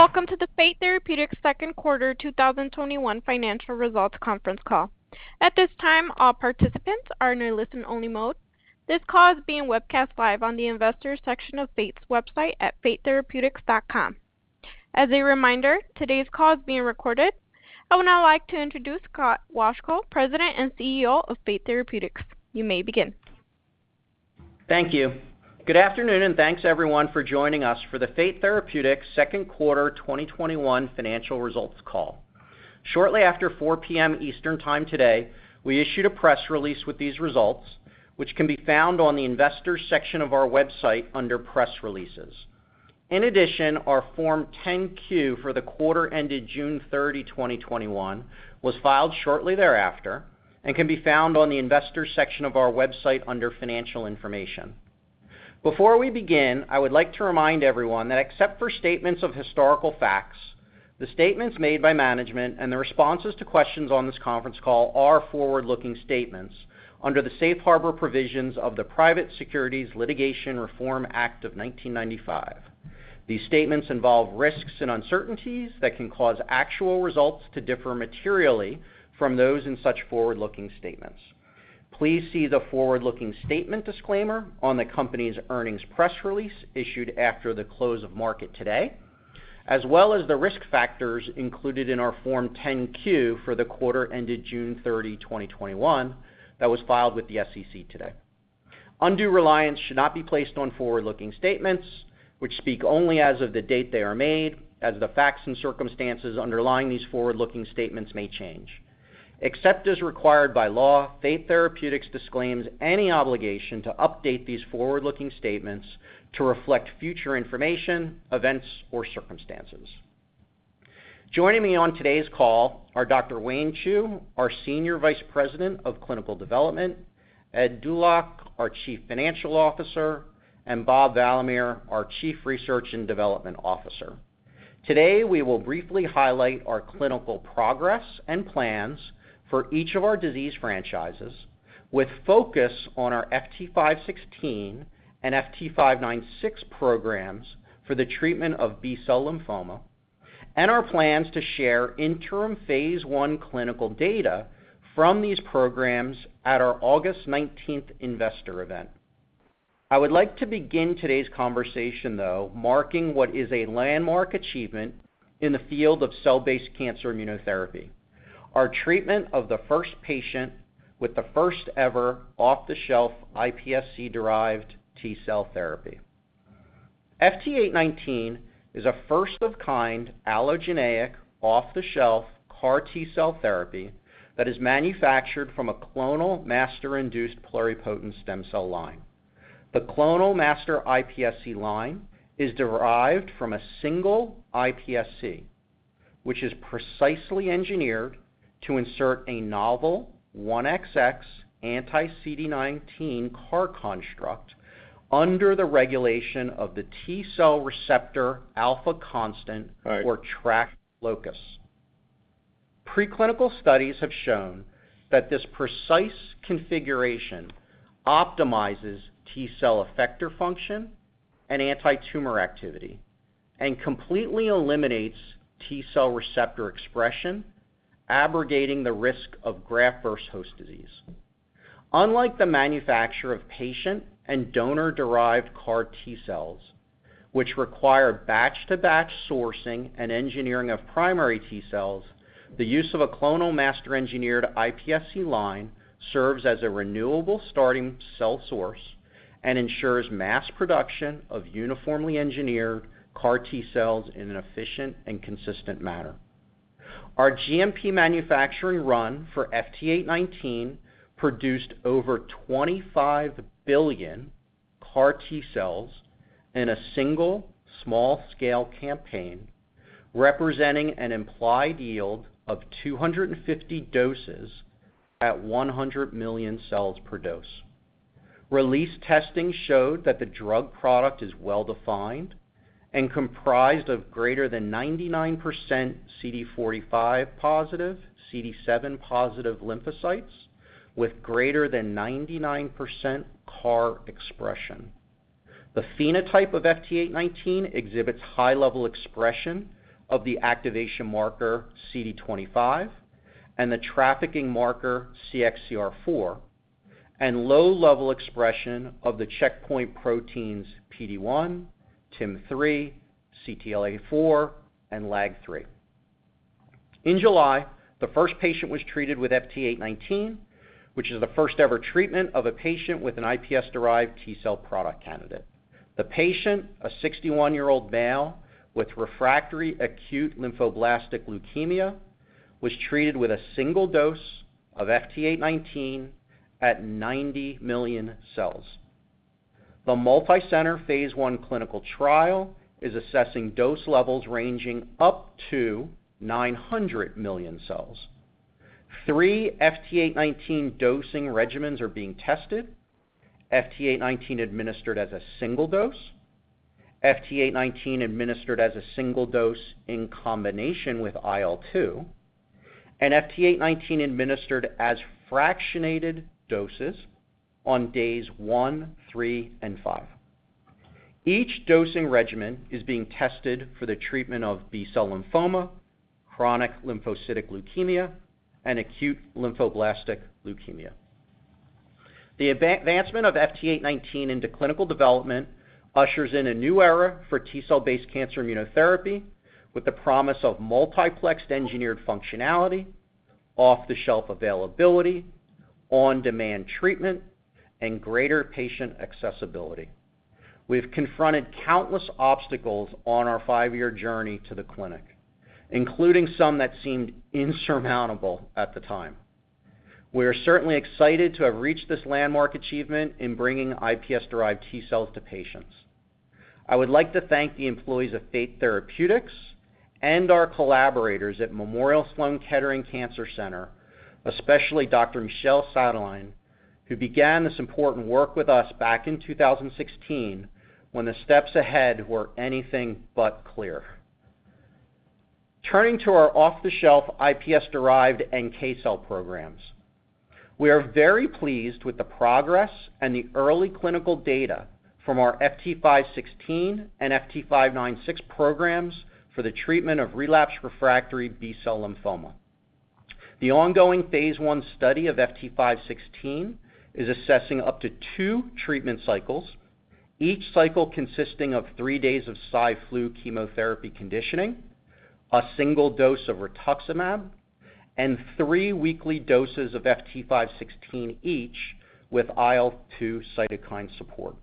Welcome to the Fate Therapeutics second quarter 2021 financial results conference call. At this time, all participants are in a listen-only mode. This call is being webcast live on the Investors section of Fate's website at fatetherapeutics.com. As a reminder, today's call is being recorded. I would now like to introduce Scott Wolchko, President and CEO of Fate Therapeutics. You may begin. Thank you. Good afternoon, and thanks, everyone, for joining us for the Fate Therapeutics second quarter 2021 financial results call. Shortly after 4:00 P.M. Eastern time today, we issued a press release with these results, which can be found on the Investors section of our website under Press Releases. In addition, our Form 10-Q for the quarter ended June 30, 2021, was filed shortly thereafter and can be found on the Investors section of our website under Financial Information. Before we begin, I would like to remind everyone that except for statements of historical facts, the statements made by management and the responses to questions on this conference call are forward-looking statements under the safe harbor provisions of the Private Securities Litigation Reform Act of 1995. These statements involve risks and uncertainties that can cause actual results to differ materially from those in such forward-looking statements. Please see the forward-looking statement disclaimer on the company's earnings press release issued after the close of market today, as well as the risk factors included in our Form 10-Q for the quarter ended June 30, 2021, that was filed with the SEC today. Undue reliance should not be placed on forward-looking statements, which speak only as of the date they are made, as the facts and circumstances underlying these forward-looking statements may change. Except as required by law, Fate Therapeutics disclaims any obligation to update these forward-looking statements to reflect future information, events, or circumstances. Joining me on today's call are Dr. Yu-Waye Chu, our Senior Vice President of Clinical Development, Edward Dulac, our Chief Financial Officer, and Bahram Valamehr, our Chief Research and Development Officer. Today, we will briefly highlight our clinical progress and plans for each of our disease franchises, with focus on our FT516 and FT596 programs for the treatment of B-cell lymphoma, and our plans to share interim phase I clinical data from these programs at our August 19th investor event. I would like to begin today's conversation, though, marking what is a landmark achievement in the field of cell-based cancer immunotherapy, our treatment of the first patient with the first-ever off-the-shelf iPSC-derived T-cell therapy. FT819 is a first-of-kind allogeneic, off-the-shelf CAR T-cell therapy that is manufactured from a clonal master induced pluripotent stem cell line. The clonal master iPSC line is derived from a single iPSC, which is precisely engineered to insert a novel 1XX anti-CD19 CAR construct under the regulation of the T cell receptor alpha constant or TRAC locus. Preclinical studies have shown that this precise configuration optimizes T-cell effector function and antitumor activity and completely eliminates T-cell receptor expression, abrogating the risk of graft-versus-host disease. Unlike the manufacture of patient and donor-derived CAR T-cells, which require batch-to-batch sourcing and engineering of primary T-cells, the use of a clonal master engineered iPSC line serves as a renewable starting cell source and ensures mass production of uniformly engineered CAR T-cells in an efficient and consistent manner. Our GMP manufacturing run for FT819 produced over 25 billion CAR T-cells in a single small-scale campaign, representing an implied yield of 250 doses at 100 million cells per dose. Release testing showed that the drug product is well-defined and comprised of greater than 99% CD45-positive, CD7-positive lymphocytes with greater than 99% CAR expression. The phenotype of FT819 exhibits high-level expression of the activation marker CD25 and the trafficking marker CXCR4, and low-level expression of the checkpoint proteins PD-1, TIM-3, CTLA-4, and LAG-3. In July, the first patient was treated with FT819, which is the first-ever treatment of a patient with an iPSC-derived T cell product candidate. The patient, a 61-year-old male with refractory acute lymphoblastic leukemia, was treated with a single dose of FT819 at 90 million cells. The multi-center phase I clinical trial is assessing dose levels ranging up to 900 million cells. Three FT819 dosing regimens are being tested. FT819 administered as a single dose. FT819 administered as a single dose in combination with IL-2. FT819 administered as fractionated doses on days one, three, and five. Each dosing regimen is being tested for the treatment of B-cell lymphoma, chronic lymphocytic leukemia, and acute lymphoblastic leukemia. The advancement of FT819 into clinical development ushers in a new era for T-cell based cancer immunotherapy with the promise of multiplexed engineered functionality, off-the-shelf availability, on-demand treatment, and greater patient accessibility. We've confronted countless obstacles on our 5-year journey to the clinic, including some that seemed insurmountable at the time. We are certainly excited to have reached this landmark achievement in bringing iPSC-derived T cells to patients. I would like to thank the employees of Fate Therapeutics and our collaborators at Memorial Sloan Kettering Cancer Center, especially Dr. Michel Sadelain, who began this important work with us back in 2016 when the steps ahead were anything but clear. Turning to our off-the-shelf iPSC-derived NK cell programs. We are very pleased with the progress and the early clinical data from our FT516 and FT596 programs for the treatment of relapsed/refractory B-cell lymphoma. The ongoing phase I study of FT516 is assessing up to two treatment cycles, each cycle consisting of three days of Cy/Flu chemotherapy conditioning, a single dose of rituximab, and three weekly doses of FT516 each with IL-2 cytokine support.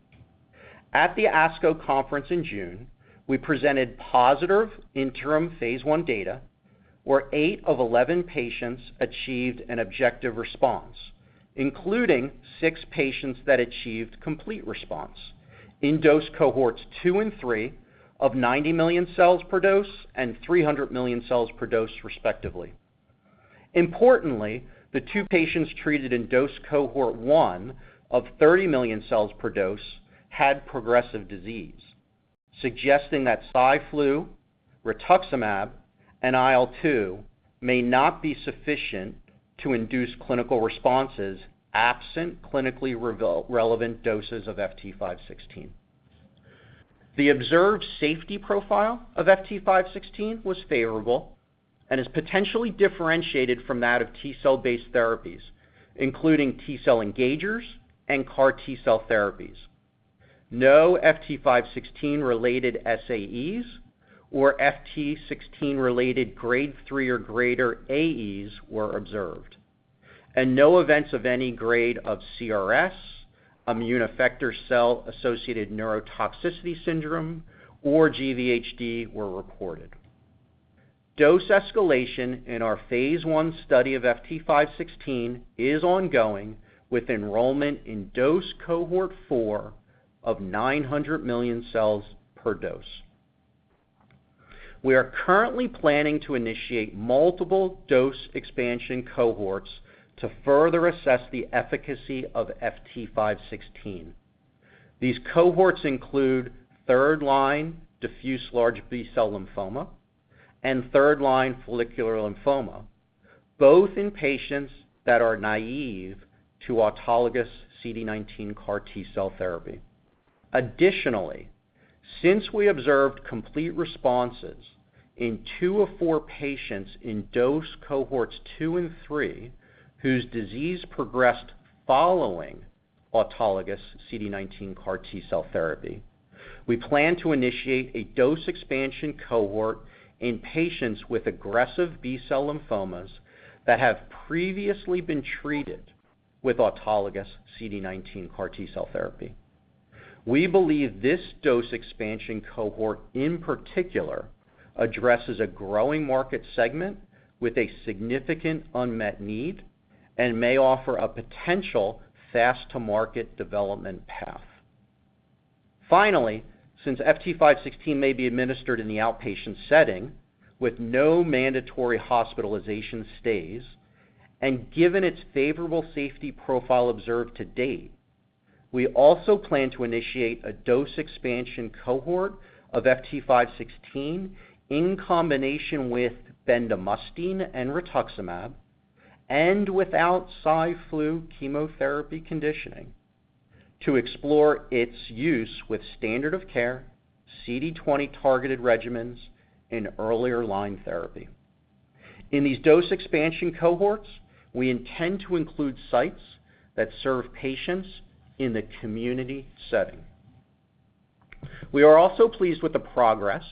At the ASCO conference in June, we presented positive interim phase I data where eight of 11 patients achieved an objective response, including six patients that achieved complete response in dose cohorts two and three of 90 million cells per dose and 300 million cells per dose, respectively. Importantly, the two patients treated in dose cohort one of 30 million cells per dose had progressive disease, suggesting that Cy/Flu, rituximab, and IL-2 may not be sufficient to induce clinical responses absent clinically relevant doses of FT516. The observed safety profile of FT516 was favorable and is potentially differentiated from that of T-cell-based therapies, including T-cell engagers and CAR T-cell therapies. No FT516-related SAEs or FT516-related Grade 3 or greater AEs were observed, and no events of any grade of CRS, immune effector cell-associated neurotoxicity syndrome, or GvHD were reported. Dose escalation in our Phase I study of FT516 is ongoing with enrollment in dose cohort 4 of 900 million cells per dose. We are currently planning to initiate multiple dose expansion cohorts to further assess the efficacy of FT516. These cohorts include third-line diffuse large B-cell lymphoma and third-line follicular lymphoma, both in patients that are naive to autologous CD19 CAR T-cell therapy. Additionally, since we observed complete responses in two of four patients in dose cohorts 2 and 3, whose disease progressed following autologous CD19 CAR T cell therapy, we plan to initiate a dose expansion cohort in patients with aggressive B-cell lymphomas that have previously been treated with autologous CD19 CAR T cell therapy. We believe this dose expansion cohort in particular addresses a growing market segment with a significant unmet need and may offer a potential fast-to-market development path. Finally, since FT516 may be administered in the outpatient setting with no mandatory hospitalization stays, and given its favorable safety profile observed to date, we also plan to initiate a dose expansion cohort of FT516 in combination with bendamustine and rituximab, and without Cy/Flu chemotherapy conditioning to explore its use with standard of care CD20-targeted regimens in earlier line therapy. In these dose expansion cohorts, we intend to include sites that serve patients in the community setting. We are also pleased with the progress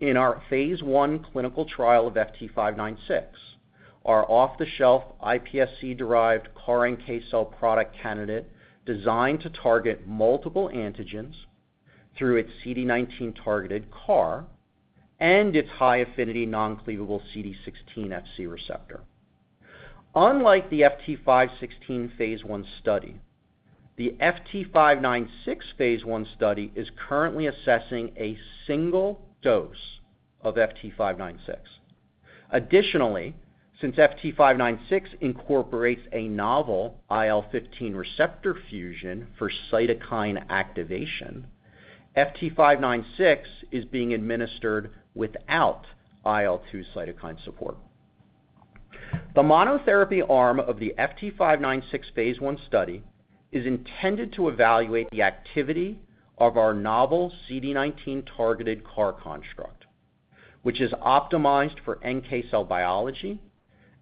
in our Phase I clinical trial of FT596, our off-the-shelf iPSC-derived CAR NK cell product candidate designed to target multiple antigens through its CD19-targeted CAR and its high-affinity non-cleavable CD16 Fc receptor. Unlike the FT516 Phase I study, the FT596 Phase I study is currently assessing a single dose of FT596. Additionally, since FT596 incorporates a novel IL-15 receptor fusion for cytokine activation, FT596 is being administered without IL-2 cytokine support. The monotherapy arm of the FT596 Phase I study is intended to evaluate the activity of our novel CD19-targeted CAR construct, which is optimized for NK cell biology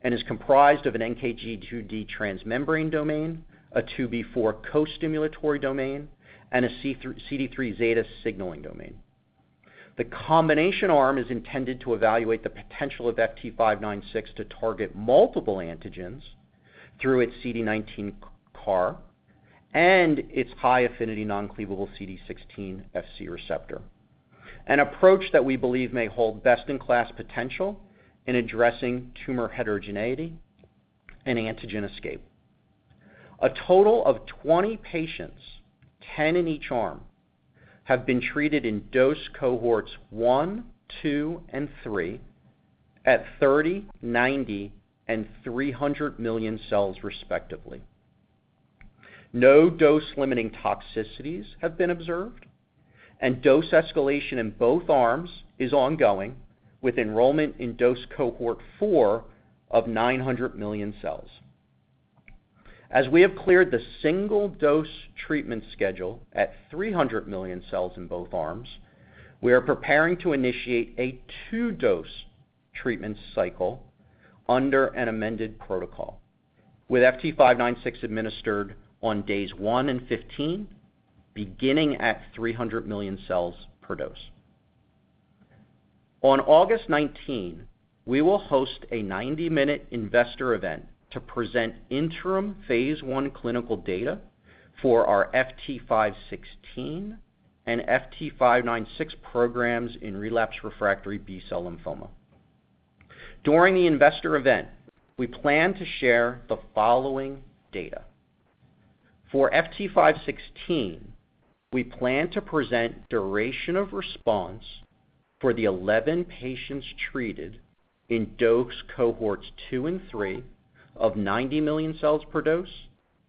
and is comprised of an NKG2D transmembrane domain, a 2B4 co-stimulatory domain, and a CD3 zeta signaling domain. The combination arm is intended to evaluate the potential of FT596 to target multiple antigens through its CD19 CAR and its high-affinity non-cleavable CD16 Fc receptor, an approach that we believe may hold best-in-class potential in addressing tumor heterogeneity and antigen escape. A total of 20 patients, 10 in each arm, have been treated in dose cohorts 1, 2, and 3 at 30 million, 90 million, and 300 million cells respectively. No dose-limiting toxicities have been observed, and dose escalation in both arms is ongoing with enrollment in dose cohort 4 of 900 million cells. As we have cleared the single-dose treatment schedule at 300 million cells in both arms, we are preparing to initiate a two-dose treatment cycle under an amended protocol with FT596 administered on days 1 and 15, beginning at 300 million cells per dose. On August 19, we will host a 90-minute investor event to present interim phase I clinical data for our FT516 and FT596 programs in relapse refractory B-cell lymphoma. During the investor event, we plan to share the following data. For FT516, we plan to present duration of response for the 11 patients treated in dose cohorts 2 and 3 of 90 million cells per dose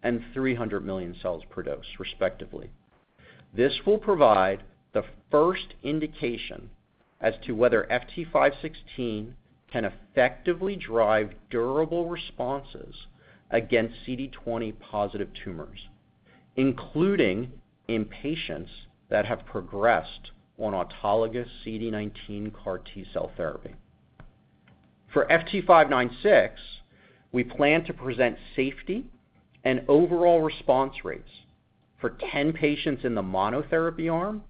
and 300 million cells per dose respectively. This will provide the first indication as to whether FT516 can effectively drive durable responses against CD20-positive tumors, including in patients that have progressed on autologous CD19 CAR T-cell therapy. For FT596, we plan to present safety and overall response rates for 10 patients in the monotherapy arm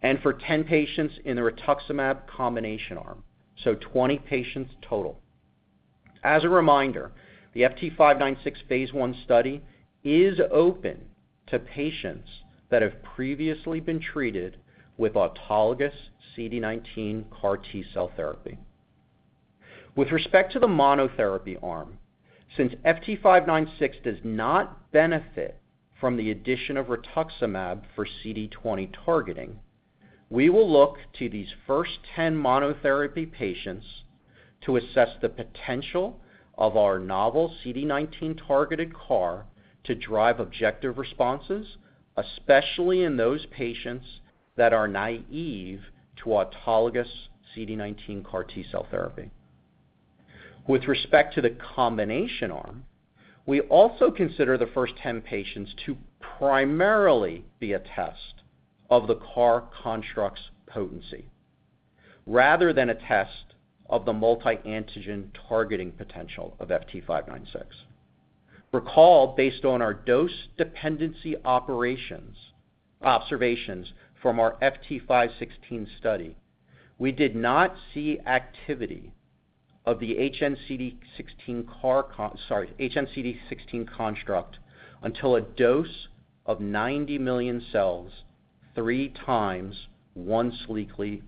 and for 10 patients in the rituximab combination arm, 20 patients total. As a reminder, the FT596 phase I study is open to patients that have previously been treated with autologous CD19 CAR T-cell therapy. With respect to the monotherapy arm, since FT596 does not benefit from the addition of rituximab for CD20 targeting, we will look to these first 10 monotherapy patients to assess the potential of our novel CD19-targeted CAR to drive objective responses, especially in those patients that are naive to autologous CD19 CAR T-cell therapy. With respect to the combination arm, we also consider the first 10 patients to primarily be a test of the CAR construct's potency rather than a test of the multi-antigen targeting potential of FT596. Recall based on our dose dependency observations from our FT516 study, we did not see activity of the hnCD16 construct until a dose of 90 million cells three times once weekly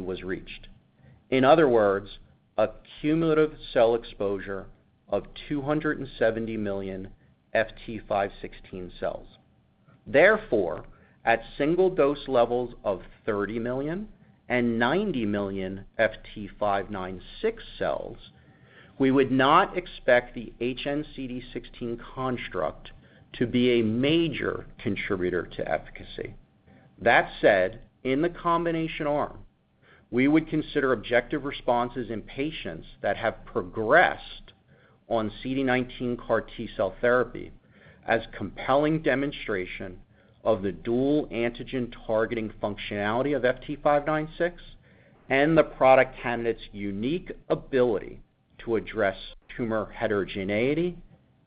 was reached. In other words, a cumulative cell exposure of 270 million FT516 cells. At single-dose levels of 30 million and 90 million FT596 cells, we would not expect the hnCD16 construct to be a major contributor to efficacy. That said, in the combination arm, we would consider objective responses in patients that have progressed on CD19 CAR T-cell therapy as compelling demonstration of the dual antigen targeting functionality of FT596 and the product candidate's unique ability to address tumor heterogeneity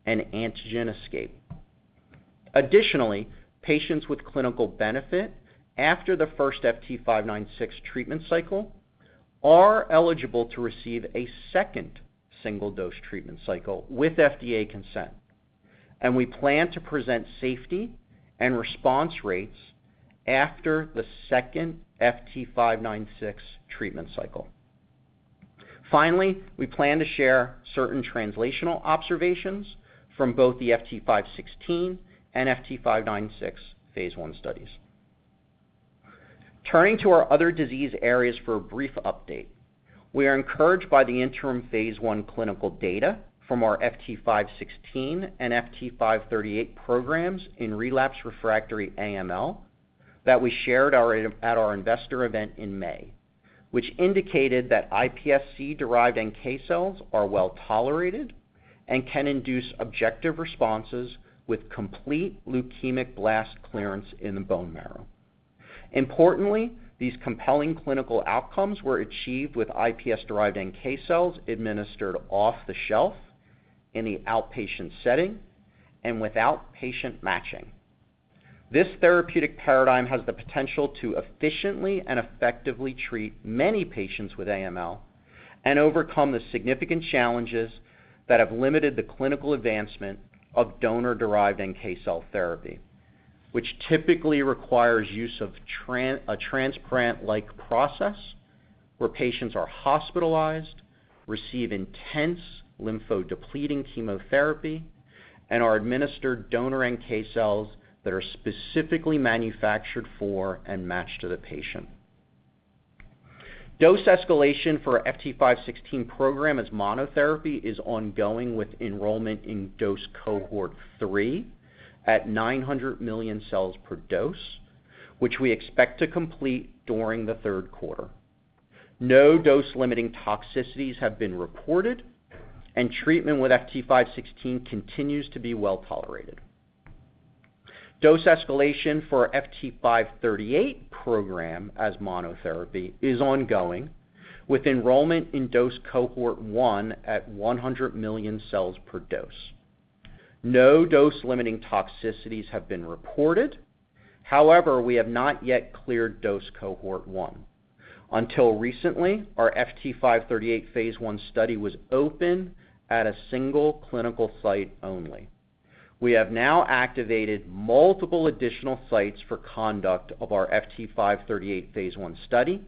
and antigen escape. Patients with clinical benefit after the first FT596 treatment cycle are eligible to receive a second single-dose treatment cycle with FDA consent, and we plan to present safety and response rates after the second FT596 treatment cycle. We plan to share certain translational observations from both the FT516 and FT596 phase I studies. Turning to our other disease areas for a brief update, we are encouraged by the interim phase I clinical data from our FT516 and FT538 programs in relapse refractory AML that we shared at our investor event in May, which indicated that iPSC-derived NK cells are well-tolerated and can induce objective responses with complete leukemic blast clearance in the bone marrow. Importantly, these compelling clinical outcomes were achieved with iPSC-derived NK cells administered off-the-shelf in the outpatient setting and without patient matching. This therapeutic paradigm has the potential to efficiently and effectively treat many patients with AML and overcome the significant challenges that have limited the clinical advancement of donor-derived NK cell therapy, which typically requires use of a transplant-like process where patients are hospitalized, receive intense lymphodepleting chemotherapy, and are administered donor NK cells that are specifically manufactured for and matched to the patient. Dose escalation for our FT516 program as monotherapy is ongoing with enrollment in dose cohort 3 at 900 million cells per dose, which we expect to complete during the third quarter. No dose-limiting toxicities have been reported, and treatment with FT516 continues to be well-tolerated. Dose escalation for our FT538 program as monotherapy is ongoing, with enrollment in dose cohort 1 at 100 million cells per dose. No dose-limiting toxicities have been reported. However, we have not yet cleared dose cohort 1. Until recently, our FT538 phase I study was open at a single clinical site only. We have now activated multiple additional sites for conduct of our FT538 phase I study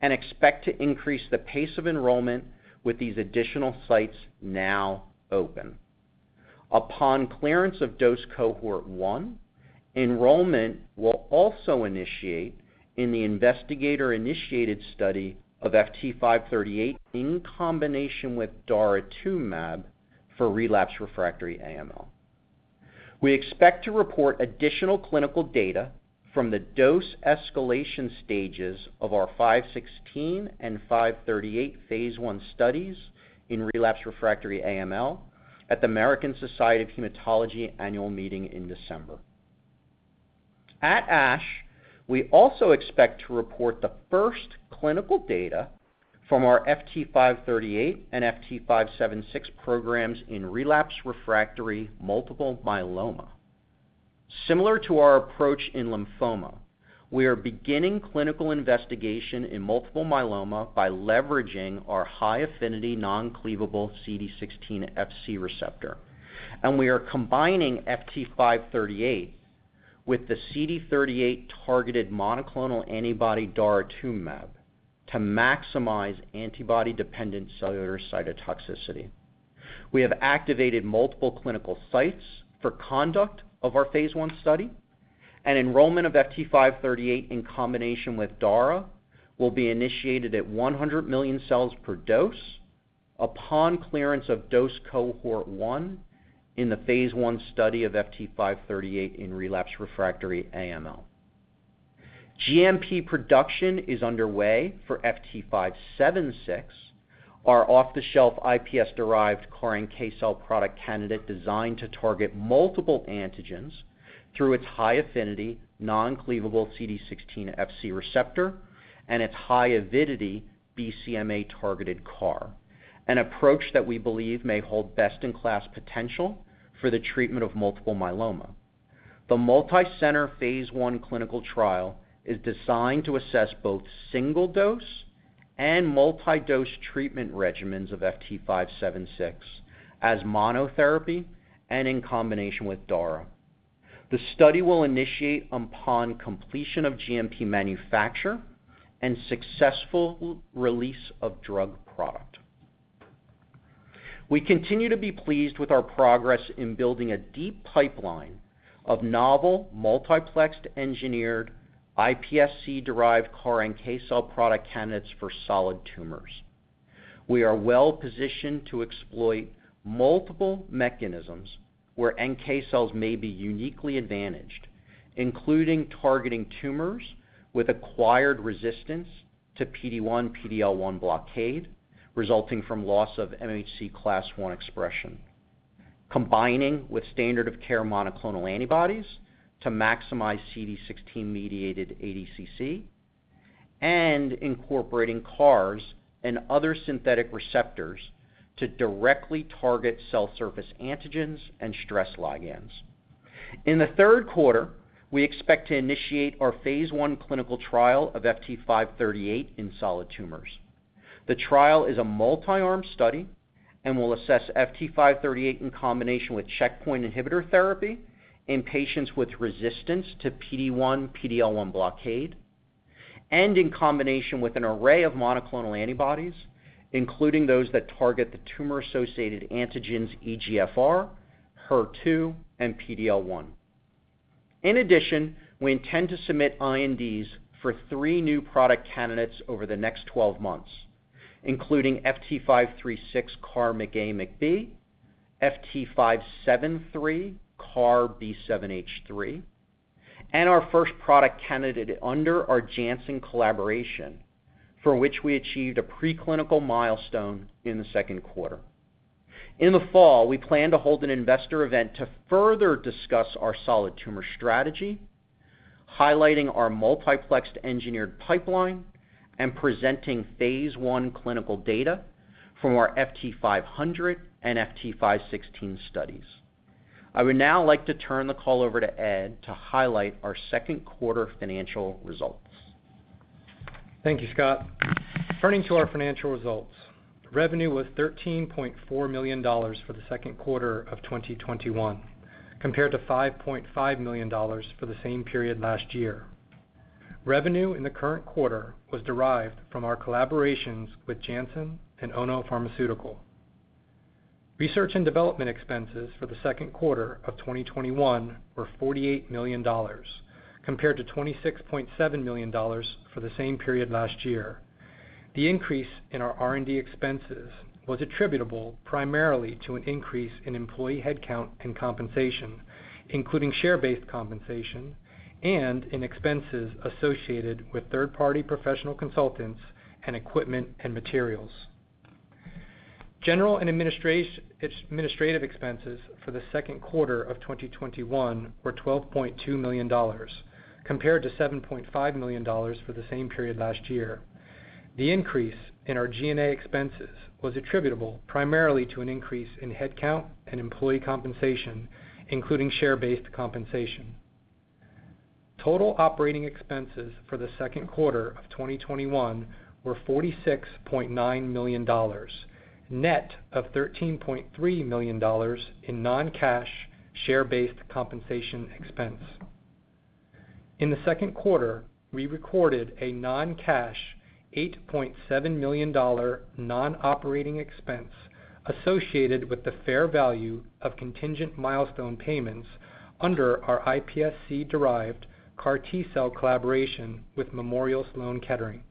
and expect to increase the pace of enrollment with these additional sites now open. Upon clearance of dose cohort 1, enrollment will also initiate in the investigator-initiated study of FT538 in combination with daratumumab for relapsed/refractory AML. We expect to report additional clinical data from the dose escalation stages of our 516 and 538 phase I studies in relapsed/refractory AML at the American Society of Hematology annual meeting in December. At ASH, we also expect to report the first clinical data from our FT538 and FT576 programs in relapsed/refractory multiple myeloma. Similar to our approach in lymphoma, we are beginning clinical investigation in multiple myeloma by leveraging our high-affinity non-cleavable CD16 Fc receptor, and we are combining FT538 with the CD38-targeted monoclonal antibody daratumumab to maximize antibody-dependent cellular cytotoxicity. We have activated multiple clinical sites for conduct of our phase I study, and enrollment of FT538 in combination with dara will be initiated at 100 million cells per dose upon clearance of dose cohort 1 in the phase I study of FT538 in relapsed/refractory AML. GMP production is underway for FT576, our off-the-shelf iPSC-derived CAR NK cell product candidate designed to target multiple antigens through its high-affinity non-cleavable CD16 Fc receptor and its high avidity BCMA-targeted CAR, an approach that we believe may hold best-in-class potential for the treatment of multiple myeloma. The multi-center phase I clinical trial is designed to assess both single-dose and multi-dose treatment regimens of FT576 as monotherapy and in combination with dara. The study will initiate upon completion of GMP manufacture and successful release of drug product. We continue to be pleased with our progress in building a deep pipeline of novel multiplexed engineered iPSC-derived CAR NK cell product candidates for solid tumors. We are well-positioned to exploit multiple mechanisms where NK cells may be uniquely advantaged, including targeting tumors with acquired resistance to PD-1/PD-L1 blockade resulting from loss of MHC class I expression, combining with standard of care monoclonal antibodies to maximize CD16-mediated ADCC, and incorporating CARs and other synthetic receptors to directly target cell surface antigens and stress ligands. In the third quarter, we expect to initiate our phase I clinical trial of FT538 in solid tumors. The trial is a multi-arm study and will assess FT538 in combination with checkpoint inhibitor therapy in patients with resistance to PD-1/PD-L1 blockade and in combination with an array of monoclonal antibodies, including those that target the tumor-associated antigens EGFR, HER2, and PD-L1. In addition, we intend to submit INDs for three new product candidates over the next 12 months, including FT536 CAR MICA/MICB, FT573 CAR-B7-H3, and our first product candidate under our Janssen collaboration, for which we achieved a preclinical milestone in the second quarter. In the fall, we plan to hold an investor event to further discuss our solid tumor strategy, highlighting our multiplexed engineered pipeline and presenting phase I clinical data from our FT500 and FT516 studies. I would now like to turn the call over to Ed to highlight our second quarter financial results. Thank you, Scott. Turning to our financial results, revenue was $13.4 million for the second quarter of 2021, compared to $5.5 million for the same period last year. Revenue in the current quarter was derived from our collaborations with Janssen and Ono Pharmaceutical. Research and development expenses for the second quarter of 2021 were $48 million, compared to $26.7 million for the same period last year. The increase in our R&D expenses was attributable primarily to an increase in employee headcount and compensation, including share-based compensation and in expenses associated with third-party professional consultants and equipment and materials. General and administrative expenses for the second quarter of 2021 were $12.2 million, compared to $7.5 million for the same period last year. The increase in our G&A expenses was attributable primarily to an increase in headcount and employee compensation, including share-based compensation. Total operating expenses for the second quarter of 2021 were $46.9 million, net of $13.3 million in non-cash share-based compensation expense. In the second quarter, we recorded a non-cash $8.7 million non-operating expense associated with the fair value of contingent milestone payments under our iPSC-derived CAR T-cell collaboration with Memorial Sloan Kettering.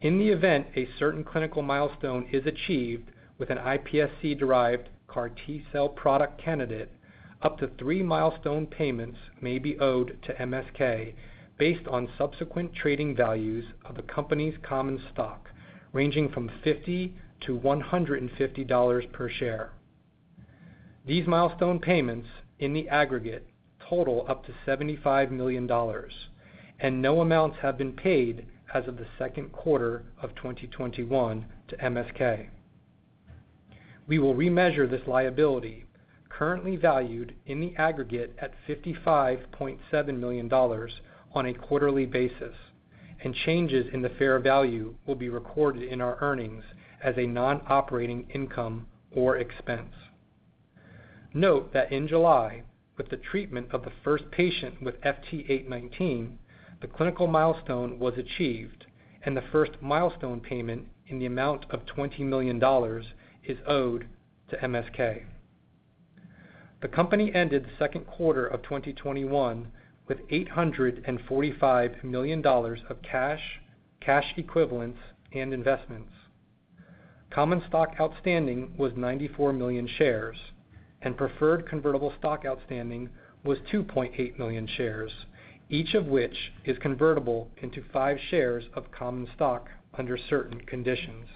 In the event a certain clinical milestone is achieved with an iPSC-derived CAR T-cell product candidate, up to three milestone payments may be owed to MSK based on subsequent trading values of the company's common stock, ranging from $50-$150 per share. These milestone payments, in the aggregate, total up to $75 million, and no amounts have been paid as of the second quarter of 2021 to MSK. We will remeasure this liability, currently valued in the aggregate at $55.7 million, on a quarterly basis, and changes in the fair value will be recorded in our earnings as a non-operating income or expense. Note that in July, with the treatment of the first patient with FT819, the clinical milestone was achieved, and the first milestone payment in the amount of $20 million is owed to MSK. The company ended the second quarter of 2021 with $845 million of cash equivalents, and investments. Common stock outstanding was 94 million shares, and preferred convertible stock outstanding was 2.8 million shares, each of which is convertible into five shares of common stock under certain conditions.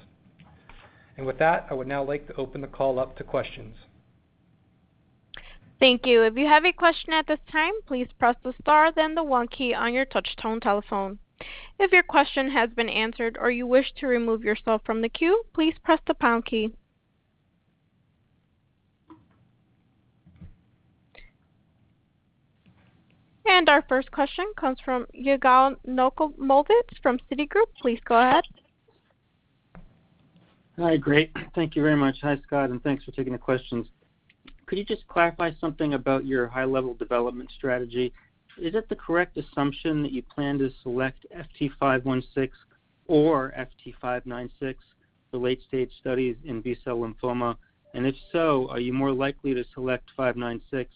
With that, I would now like to open the call up to questions. Thank you. If you have a question at this time, please press the star then the one key on your touch-tone telephone. If your question has been answered or you wish to remove yourself from the queue, please press the pound key. Our first question comes from Yigal Nochomovitz from Citigroup. Please go ahead. Hi. Great. Thank you very much. Hi, Scott, and thanks for taking the questions. Could you just clarify something about your high-level development strategy? Is it the correct assumption that you plan to select FT516 or FT596 for late-stage studies in B-cell lymphoma? If so, are you more likely to select 596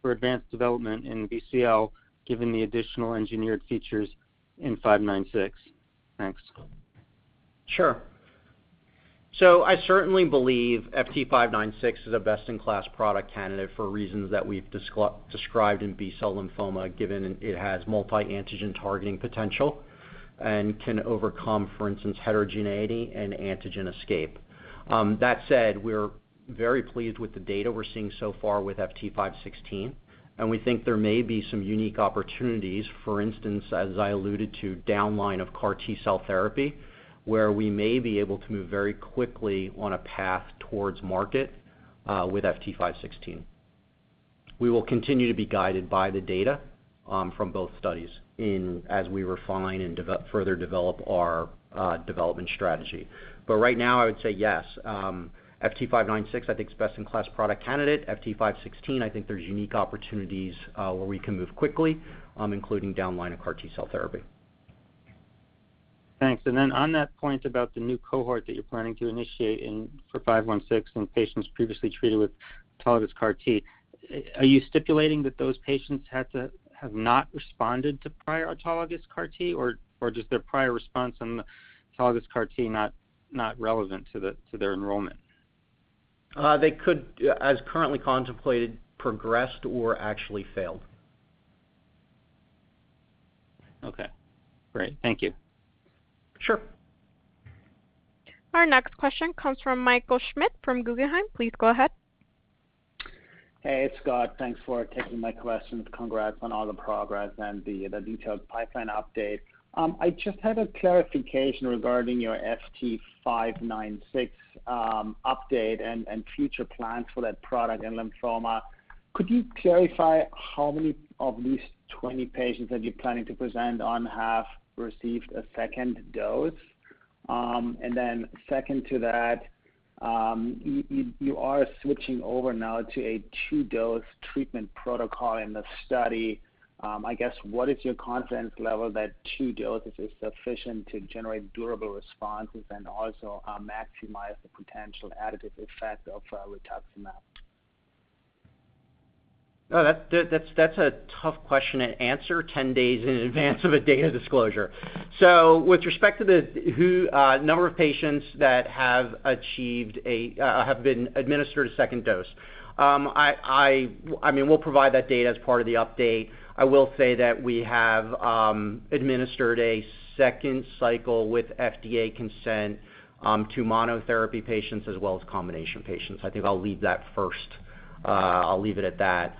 for advanced development in BCL, given the additional engineered features in 596? Thanks. I certainly believe FT596 is a best-in-class product candidate for reasons that we've described in B-cell lymphoma, given it has multi-antigen targeting potential and can overcome, for instance, heterogeneity and antigen escape. That said, we're very pleased with the data we're seeing so far with FT516, and we think there may be some unique opportunities, for instance, as I alluded to, downline of CAR T-cell therapy, where we may be able to move very quickly on a path towards market with FT516. We will continue to be guided by the data from both studies as we refine and further develop our development strategy. Right now, I would say yes. FT596, I think, is best-in-class product candidate. FT516, I think there's unique opportunities where we can move quickly, including downline of CAR T-cell therapy. Thanks. On that point about the new cohort that you're planning to initiate for 516 in patients previously treated with autologous CAR T, are you stipulating that those patients have not responded to prior autologous CAR T, or is their prior response on the autologous CAR T not relevant to their enrollment? They could, as currently contemplated, progressed or actually failed. Okay, great. Thank you. Sure. Our next question comes from Michael Schmidt from Guggenheim. Please go ahead. Hey, Scott. Thanks for taking my questions. Congrats on all the progress and the detailed pipeline update. I just had a clarification regarding your FT596 update and future plans for that product and lymphoma. Could you clarify how many of these 20 patients that you're planning to present on have received a second dose? Second to that, you are switching over now to a two-dose treatment protocol in the study. I guess, what is your confidence level that two doses is sufficient to generate durable responses and also maximize the potential additive effect of rituximab? No, that's a tough question to answer 10 days in advance of a data disclosure. With respect to the number of patients that have been administered a second dose, we'll provide that data as part of the update. I will say that we have administered a second cycle with FDA consent to monotherapy patients as well as combination patients. I think I'll leave it at that.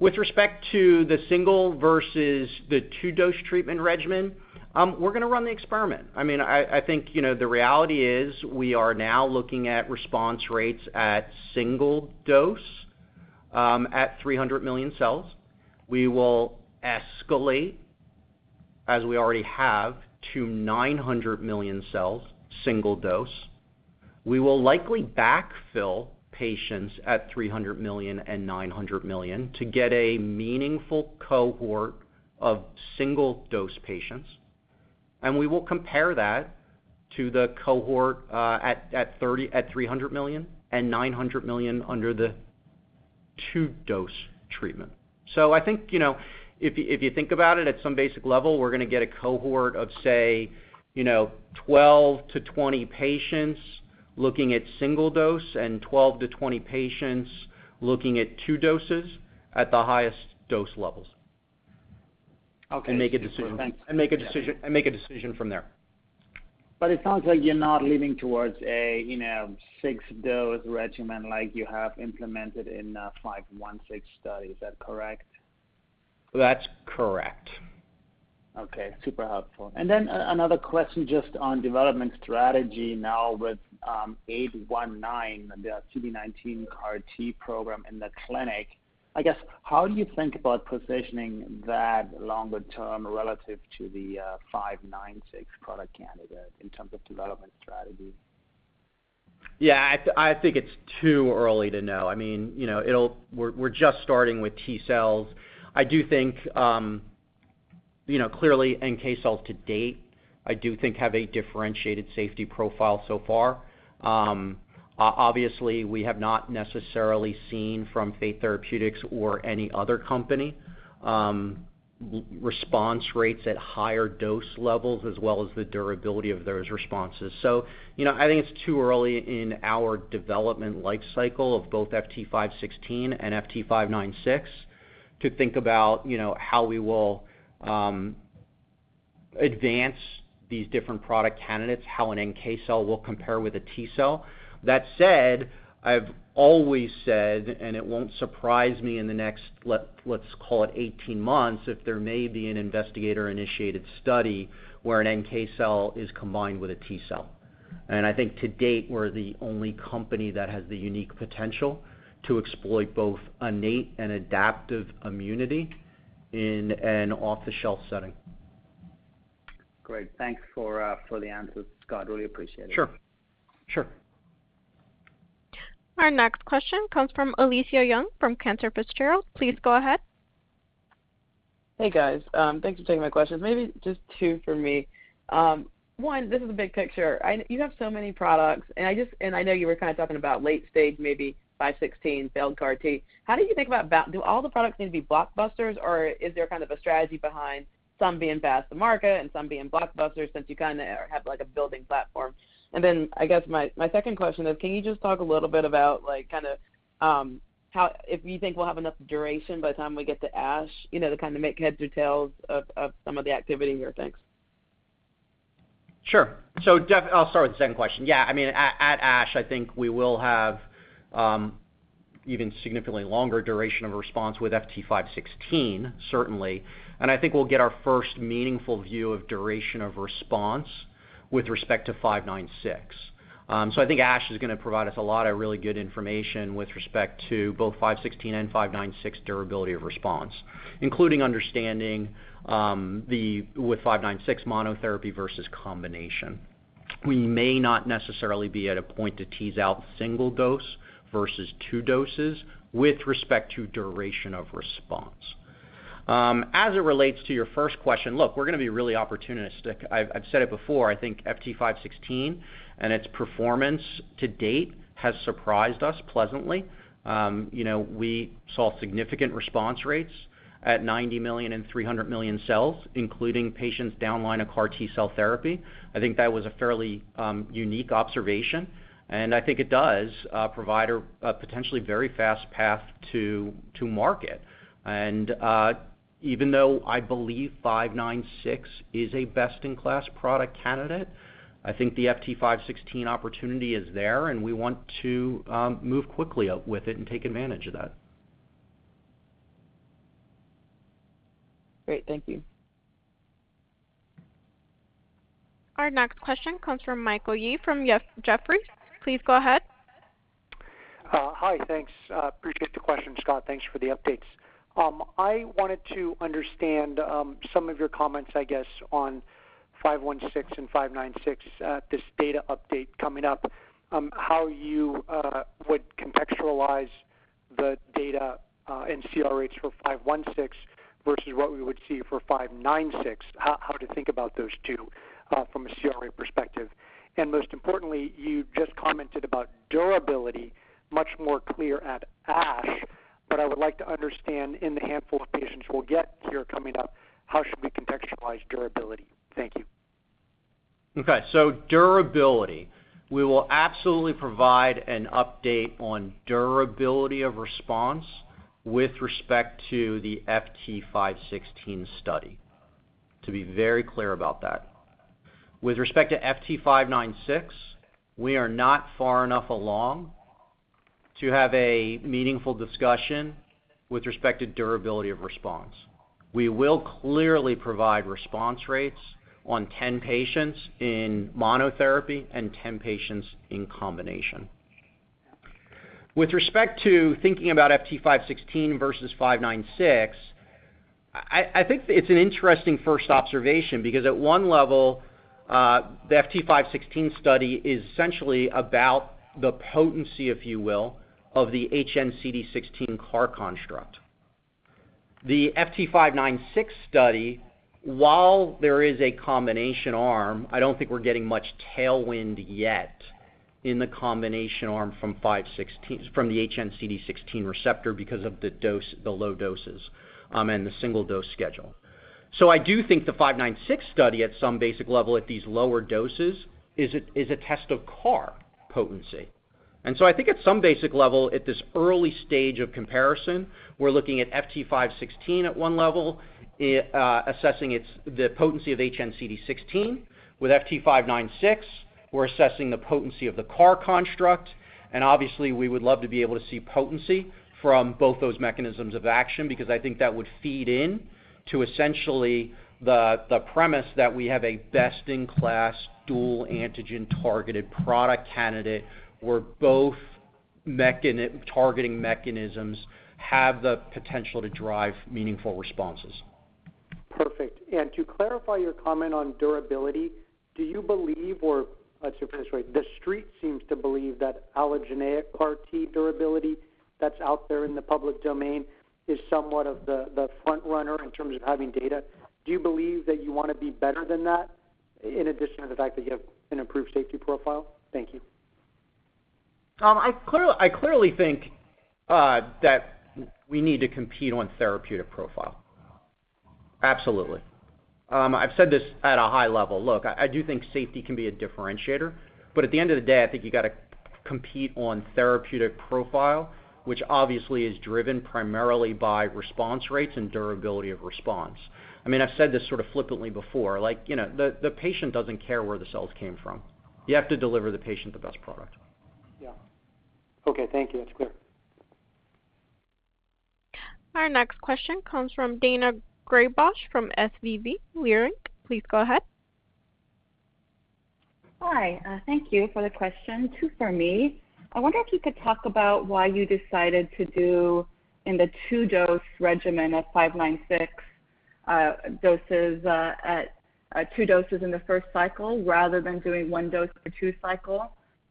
With respect to the single versus the two-dose treatment regimen, we're going to run the experiment. I think the reality is we are now looking at response rates at single dose at 300 million cells. We will escalate, as we already have, to 900 million cells, single dose. We will likely backfill patients at 300 million and 900 million to get a meaningful cohort of single-dose patients. We will compare that to the cohort at $300 million and $900 million under the two-dose treatment. I think, if you think about it, at some basic level, we're going to get a cohort of, say, 12-20 patients looking at single dose and 12-20 patients looking at two doses at the highest dose levels. Okay. Make a decision from there. It sounds like you're not leaning towards a 6-dose regimen like you have implemented in FT516 study. Is that correct? That's correct. Okay, super helpful. Another question just on development strategy now with FT819, the CD19 CAR T program in the clinic. I guess, how do you think about positioning that longer term relative to the FT596 product candidate in terms of development strategy? Yeah, I think it's too early to know. We're just starting with T-cells. I do think, clearly, NK cells to date have a differentiated safety profile so far. Obviously, we have not necessarily seen from Fate Therapeutics or any other company response rates at higher dose levels as well as the durability of those responses. I think it's too early in our development life cycle of both FT516 and FT596 to think about how we will advance these different product candidates, how an NK cell will compare with a T-cell. That said, I've always said, and it won't surprise me in the next, let's call it 18 months, if there may be an investigator-initiated study where an NK cell is combined with a T-cell. I think to date, we're the only company that has the unique potential to exploit both innate and adaptive immunity in an off-the-shelf setting. Great. Thanks for the answers, Scott. Really appreciate it. Sure. Our next question comes from Alethia Young from Cantor Fitzgerald. Please go ahead. Hey, guys. Thanks for taking my questions. Maybe just two from me. One, this is a big picture. You have so many products, and I know you were kind of talking about late stage, maybe FT516 failed CAR T. How do you think about do all the products need to be blockbusters, or is there kind of a strategy behind some being fast to market and some being blockbusters since you kind of have a building platform? I guess my second question is, can you just talk a little bit about if you think we'll have enough duration by the time we get to ASH, to kind of make heads or tails of some of the activity here? Thanks. Sure. I'll start with the second question. At ASH, I think we will have even significantly longer duration of response with FT516, certainly. I think we'll get our first meaningful view of duration of response with respect to 596. I think ASH is going to provide us a lot of really good information with respect to both 516 and 596 durability of response, including understanding with 596 monotherapy versus combination. We may not necessarily be at a point to tease out single dose versus two doses with respect to duration of response. As it relates to your first question, look, we're going to be really opportunistic. I've said it before, I think FT516 and its performance to date has surprised us pleasantly. We saw significant response rates at 90 million and 300 million cells, including patients downline of CAR T-cell therapy. I think that was a fairly unique observation, and I think it does provide a potentially very fast path to market. Even though I believe FT596 is a best-in-class product candidate, I think the FT516 opportunity is there, and we want to move quickly with it and take advantage of that. Great. Thank you. Our next question comes from Michael Yee from Jefferies. Please go ahead. Hi. Thanks. Appreciate the question, Scott. Thanks for the updates. I wanted to understand some of your comments, I guess, on FT516 and FT596, this data update coming up, how you would contextualize the data and CR for FT516 versus what we would see for FT596, how to think about those two from a CR perspective. Most importantly, you just commented about durability, much more clear at ASH, but I would like to understand in the handful of patients we'll get here coming up, how should we contextualize durability? Thank you. Okay. Durability. We will absolutely provide an update on durability of response with respect to the FT516 study, to be very clear about that. With respect to FT596, we are not far enough along to have a meaningful discussion with respect to durability of response. We will clearly provide response rates on 10 patients in monotherapy and 10 patients in combination. With respect to thinking about FT516 versus 596, I think it's an interesting first observation because at one level, the FT516 study is essentially about the potency, if you will, of the hnCD16 CAR construct. The FT596 study, while there is a combination arm, I don't think we're getting much tailwind yet in the combination arm from the hnCD16 receptor because of the low doses and the single-dose schedule. I do think the FT596 study at some basic level at these lower doses is a test of CAR potency. I think at some basic level at this early stage of comparison, we're looking at FT516 at one level, assessing the potency of hnCD16. With FT596, we're assessing the potency of the CAR construct. Obviously, we would love to be able to see potency from both those mechanisms of action because I think that would feed in to essentially the premise that we have a best-in-class dual antigen-targeted product candidate where both targeting mechanisms have the potential to drive meaningful responses. Perfect. To clarify your comment on durability, do you believe the Street seems to believe that allogeneic CAR T durability that's out there in the public domain is somewhat of the front-runner in terms of having data. Do you believe that you want to be better than that, in addition to the fact that you have an improved safety profile? Thank you. I clearly think that we need to compete on therapeutic profile. Absolutely. I've said this at a high level. Look, I do think safety can be a differentiator, but at the end of the day, I think you got to compete on therapeutic profile, which obviously is driven primarily by response rates and durability of response. I've said this sort of flippantly before. The patient doesn't care where the cells came from. You have to deliver the patient the best product. Yeah. Okay. Thank you. That's clear. Our next question comes from Daina Graybosch from SVB Leerink. Please go ahead. Hi. Thank you for the question. two for me. I wonder if you could talk about why you decided to do in the two-dose regimen of FT596 doses at two doses in the first cycle rather than doing one dose for two cycle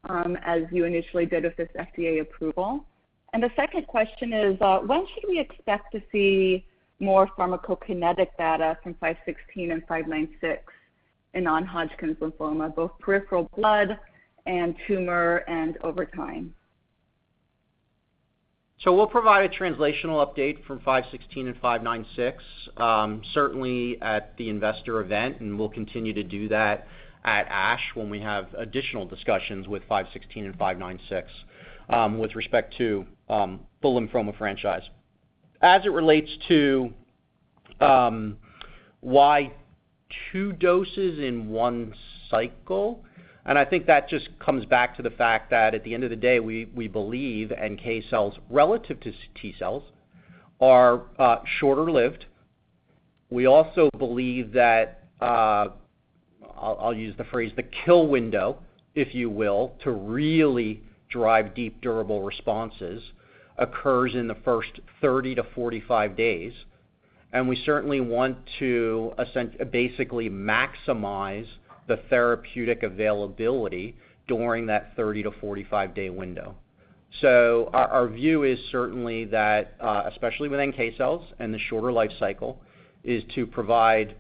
as you initially did with this FDA approval. The second question is, when should we expect to see more pharmacokinetic data from FT516 and FT596 in non-Hodgkin's lymphoma, both peripheral blood and tumor and over time? We'll provide a translational update for FT516 and FT596, certainly at the investor event, and we'll continue to do that at ASH when we have additional discussions with FT516 and FT596 with respect to the lymphoma franchise. As it relates to why two doses in one cycle, I think that just comes back to the fact that at the end of the day, we believe NK cells relative to T cells are shorter-lived. We also believe that, I'll use the phrase the kill window, if you will, to really drive deep durable responses occurs in the first 30 to 45 days, and we certainly want to basically maximize the therapeutic availability during that 30 to 45-day window. Our view is certainly that, especially with NK cells and the shorter life cycle, is to provide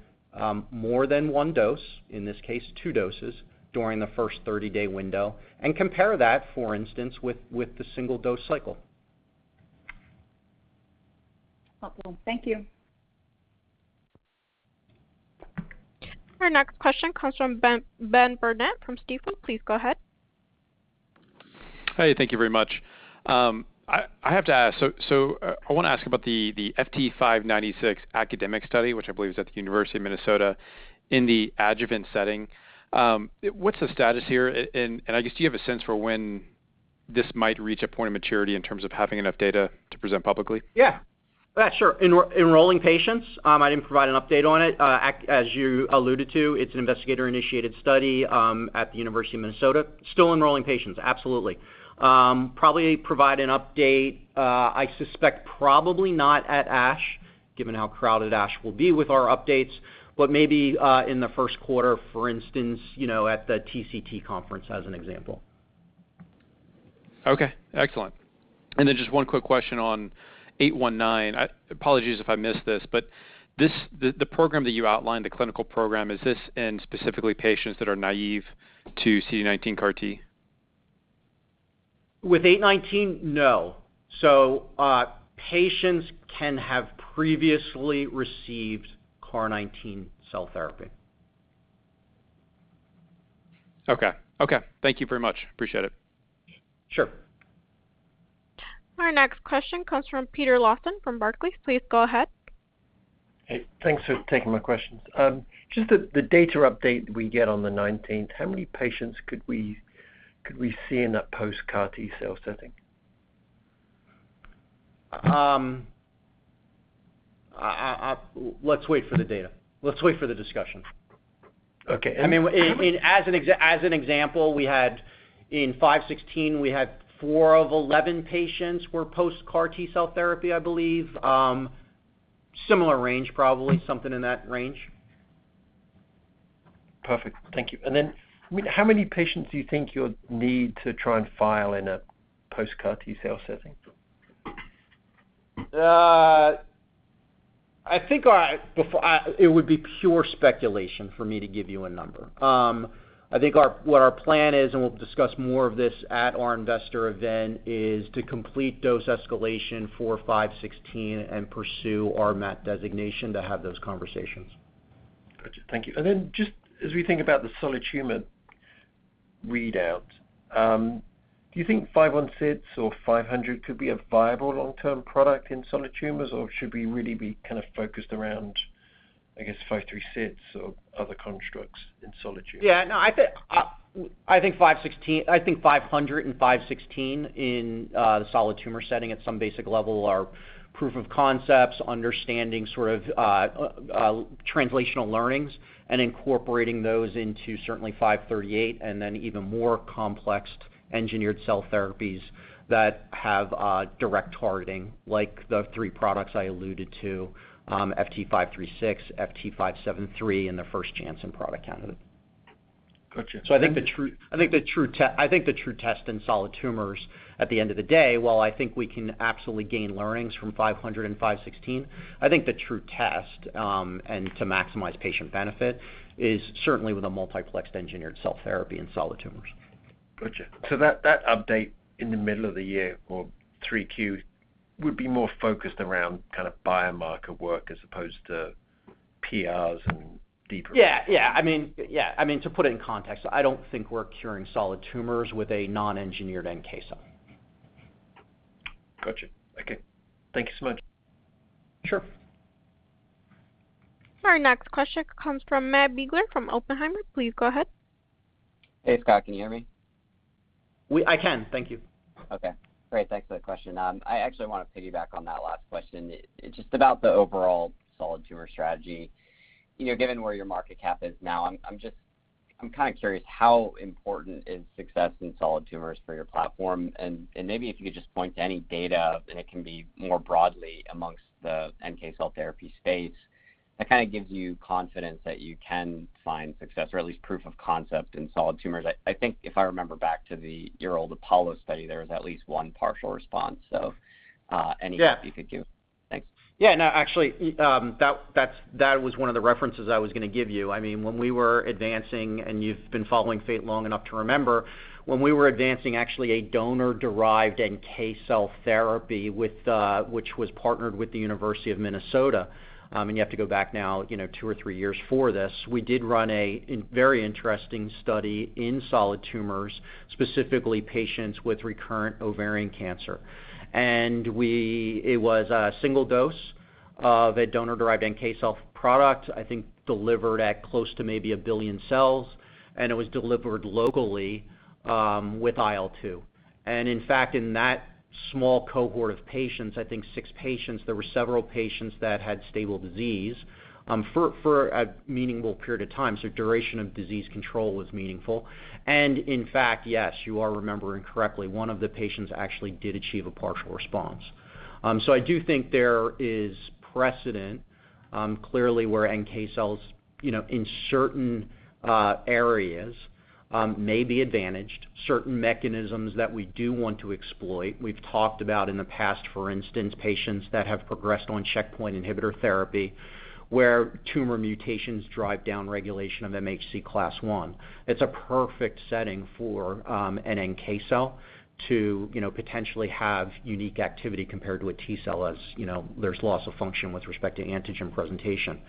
more than one dose, in this case, two doses, during the first 30-day window, and compare that, for instance, with the single-dose cycle. Wonderful. Thank you. Our next question comes from Ben Burnett from Stifel. Please go ahead. Hi. Thank you very much. I have to ask, I want to ask about the FT596 academic study, which I believe is at the University of Minnesota in the adjuvant setting. What's the status here? I guess, do you have a sense for when this might reach a point of maturity in terms of having enough data to present publicly? Yeah. Sure. Enrolling patients, I didn't provide an update on it. As you alluded to, it's an investigator-initiated study at the University of Minnesota. Still enrolling patients. Absolutely. Probably provide an update, I suspect probably not at ASH, given how crowded ASH will be with our updates, but maybe in the first quarter, for instance, at the TCT conference as an example. Okay. Excellent. Just one quick question on FT819. Apologies if I missed this, the program that you outlined, the clinical program, is this in specifically patients that are naive to CD19 CAR T? With FT819? No. Patients can have previously received CAR 19 cell therapy. Okay. Thank you very much. Appreciate it. Sure. Our next question comes from Peter Lawson from Barclays. Please go ahead. Hey, thanks for taking my questions. Just the data update we get on the 19th, how many patients could we see in that post-CAR T-cell setting? Let's wait for the data. Let's wait for the discussion. Okay. As an example, in 516, we had 4 of 11 patients were post CAR T-cell therapy, I believe. Similar range probably, something in that range. Perfect. Thank you. How many patients do you think you'll need to try and file in a post-CAR T-cell setting? I think it would be pure speculation for me to give you a number. I think what our plan is, and we'll discuss more of this at our investor event, is to complete dose escalation for 516 and pursue our RMAT designation to have those conversations. Got you. Thank you. Just as we think about the solid tumor readouts, do you think 516 or 500 could be a viable long-term product in solid tumors, or should we really be kind of focused around, I guess, 536 or other constructs in solid tumors? Yeah. No, I think FT500 and FT516 in the solid tumor setting at some basic level are proof of concepts, understanding sort of translational learnings and incorporating those into certainly FT538 and then even more complex engineered cell therapies that have direct targeting, like the three products I alluded to, FT536, FT573, and the first Janssen product candidate. Got you. I think the true test in solid tumors at the end of the day, while I think we can absolutely gain learnings from FT500 and FT516, I think the true test, and to maximize patient benefit, is certainly with a multiplexed engineered cell therapy in solid tumors. Got you. That update in the middle of the year or 3Q would be more focused around kind of biomarker work as opposed to PRs. Yeah. To put it in context, I don't think we're curing solid tumors with a non-engineered NK cell. Got you. Okay. Thank you so much. Sure. Our next question comes from Matt Biegler from Oppenheimer. Please go ahead. Hey, Scott, can you hear me? I can. Thank you. Okay, great. Thanks for the question. I actually want to piggyback on that last question, just about the overall solid tumor strategy. Given where your market cap is now, I'm kind of curious how important is success in solid tumors for your platform? Maybe if you could just point to any data, and it can be more broadly amongst the NK cell therapy space, that kind of gives you confidence that you can find success or at least proof of concept in solid tumors. I think if I remember back to your old APOLLO study, there was at least one partial response. Any help you could give. Thanks. Yeah. No, actually, that was one of the references I was going to give you. When we were advancing, and you've been following Fate long enough to remember, when we were advancing actually a donor-derived NK cell therapy, which was partnered with the University of Minnesota, and you have to go back now two or three years for this, we did run a very interesting study in solid tumors, specifically patients with recurrent ovarian cancer. It was a single dose of a donor-derived NK cell product, I think delivered at close to maybe 1 billion cells, and it was delivered locally with IL-2. In fact, in that small cohort of patients, I think six patients, there were several patients that had stable disease for a meaningful period of time. Duration of disease control was meaningful. In fact, yes, you are remembering correctly, one of the patients actually did achieve a partial response. I do think there is precedent, clearly where NK cells in certain areas may be advantaged. Certain mechanisms that we do want to exploit. We've talked about in the past, for instance, patients that have progressed on checkpoint inhibitor therapy, where tumor mutations drive down regulation of MHC class I. It's a perfect setting for an NK cell to potentially have unique activity compared to a T-cell, as there's loss of function with respect to antigen presentation.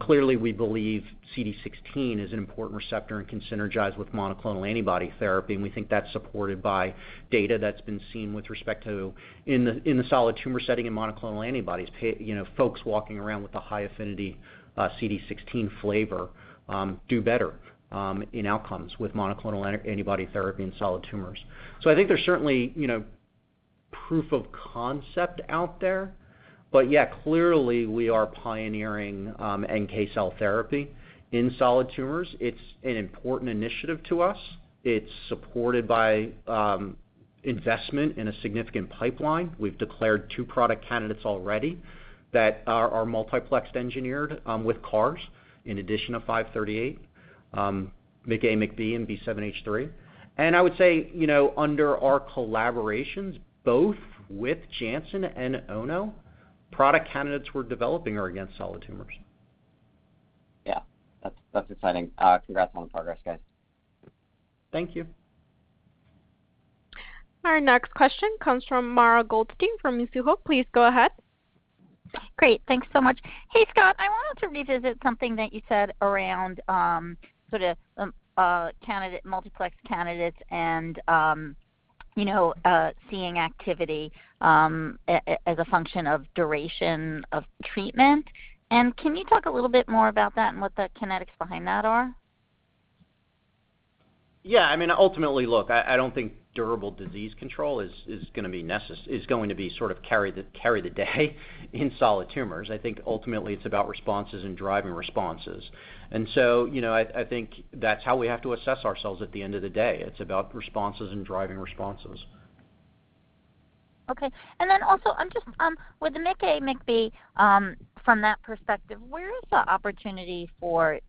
Clearly, we believe CD16 is an important receptor and can synergize with monoclonal antibody therapy, and we think that's supported by data that's been seen with respect to in the solid tumor setting in monoclonal antibodies. Folks walking around with a high-affinity CD16 flavor do better in outcomes with monoclonal antibody therapy in solid tumors. I think there's certainly proof of concept out there. Yeah, clearly we are pioneering NK cell therapy in solid tumors. It's an important initiative to us. It's supported by investment in a significant pipeline. We've declared two product candidates already that are multiplexed engineered with CARs in addition of 538, MICA, MICB, and B7H3. I would say, under our collaborations, both with Janssen and Ono, product candidates we're developing are against solid tumors. Yeah. That's exciting. Congrats on the progress, guys. Thank you. Our next question comes from Mara Goldstein from Mizuho. Please go ahead. Great. Thanks so much. Hey, Scott. I wanted to revisit something that you said around sort of multiplex candidates and seeing activity as a function of duration of treatment. Can you talk a little bit more about that and what the kinetics behind that are? Yeah, I mean, ultimately, look, I don't think durable disease control is going to be sort of carry the day in solid tumors. I think ultimately it's about responses and driving responses. I think that's how we have to assess ourselves at the end of the day. It's about responses and driving responses. Okay. Then also, with the MICA, MICB, from that perspective, where is the opportunity for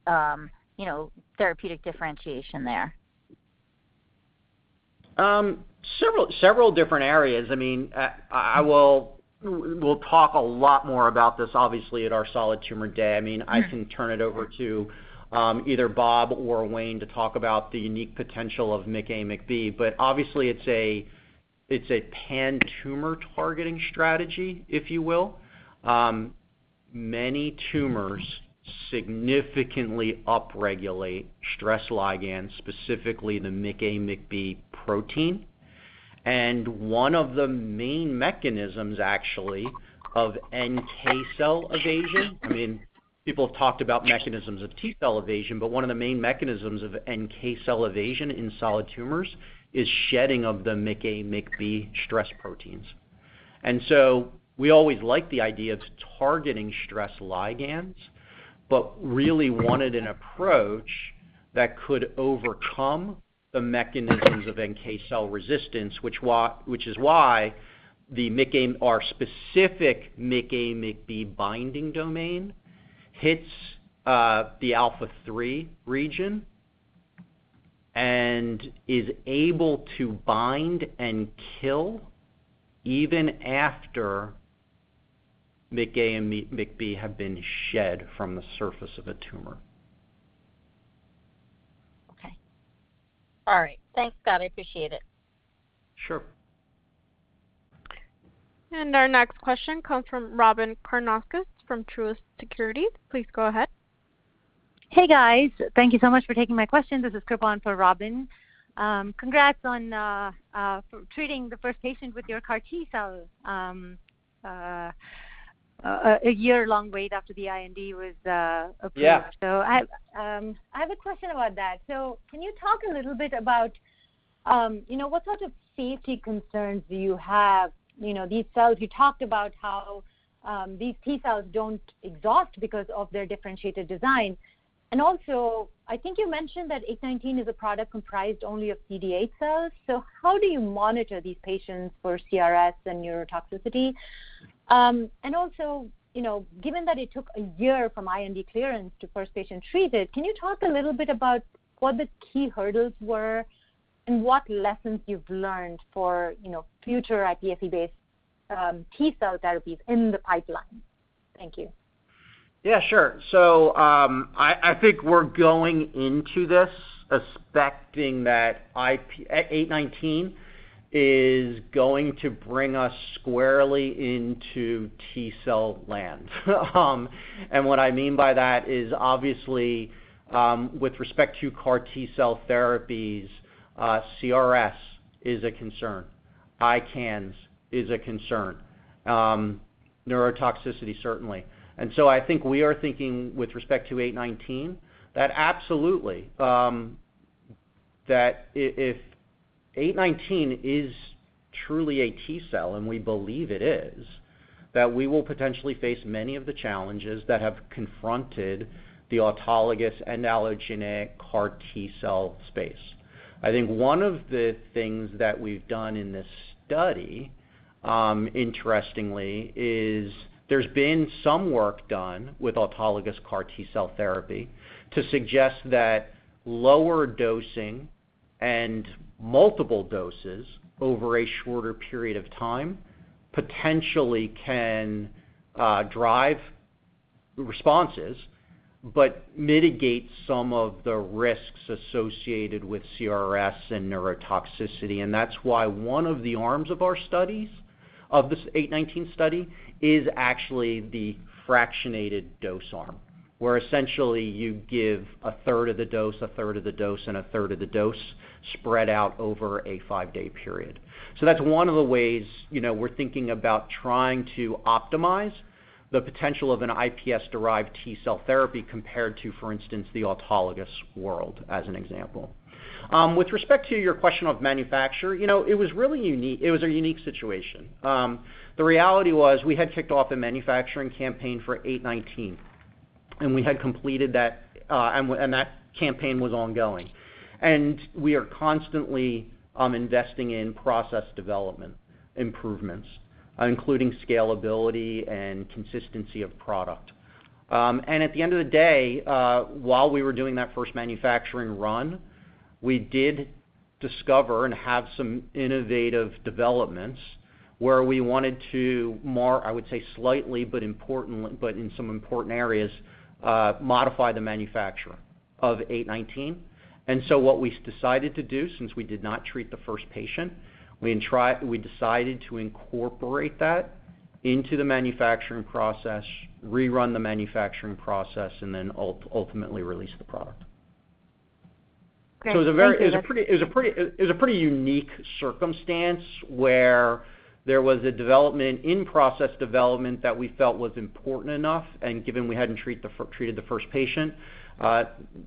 therapeutic differentiation there? Several different areas. I mean, we'll talk a lot more about this, obviously, at our Solid Tumor Day. I can turn it over to either Bahram Valamehr or Yu-Waye Chu to talk about the unique potential of MICA, MICB. Obviously it's a pan-tumor targeting strategy, if you will. Many tumors significantly upregulate stress ligands, specifically the MICA, MICB protein. One of the main mechanisms, actually, of NK cell evasion, people have talked about mechanisms of T cell evasion, but one of the main mechanisms of NK cell evasion in solid tumors is shedding of the MICA, MICB stress proteins. We always like the idea of targeting stress ligands, but really wanted an approach that could overcome the mechanisms of NK cell resistance, which is why our specific MICA, MICB binding domain hits the alpha-3 region and is able to bind and kill even after MICA and MICB have been shed from the surface of a tumor. Okay. All right. Thanks, Scott. I appreciate it. Sure. Our next question comes from Robyn Karnauskas from Truist Securities. Please go ahead. Hey, guys. Thank you so much for taking my questions. This is Krupa for Robyn. Congrats on treating the first patient with your CAR T-cells a year-long wait after the IND was approved. Yeah. I have a question about that. Can you talk a little bit about what sort of safety concerns do you have? These cells, you talked about how these T cells don't exhaust because of their differentiated design. I think you mentioned that FT819 is a product comprised only of CD8 cells, how do you monitor these patients for CRS and neurotoxicity? Given that it took a year from IND clearance to first patient treated, can you talk a little bit about what the key hurdles were and what lessons you've learned for future iPSC-based T cell therapies in the pipeline? Thank you. Yeah, sure. I think we're going into this expecting that 819 is going to bring us squarely into T-cell land. What I mean by that is obviously, with respect to CAR T-cell therapies, CRS is a concern. ICANS is a concern. Neurotoxicity, certainly. I think we are thinking with respect to 819, that absolutely, if 819 is truly a T-cell, and we believe it is, that we will potentially face many of the challenges that have confronted the autologous and allogeneic CAR T-cell space. I think one of the things that we've done in this study, interestingly, is there's been some work done with autologous CAR T-cell therapy to suggest that lower dosing and multiple doses over a shorter period of time potentially can drive responses, but mitigate some of the risks associated with CRS and neurotoxicity. That's why one of the arms of our studies, of this FT819 study, is actually the fractionated dose arm, where essentially you give a third of the dose, a third of the dose, and a third of the dose spread out over a five-day period. That's one of the ways we're thinking about trying to optimize the potential of an iPSC-derived T-cell therapy compared to, for instance, the autologous world, as an example. With respect to your question of manufacture, it was a unique situation. The reality was we had kicked off a manufacturing campaign for FT819, and that campaign was ongoing. We are constantly investing in process development improvements, including scalability and consistency of product. At the end of the day, while we were doing that first manufacturing run, we did discover and have some innovative developments where we wanted to more, I would say slightly, but in some important areas, modify the manufacture of FT819. What we decided to do, since we did not treat the first patient, we decided to incorporate that into the manufacturing process, rerun the manufacturing process, and then ultimately release the product. Great. Thank you. It was a pretty unique circumstance where there was a development in process development that we felt was important enough, and given we hadn't treated the first patient,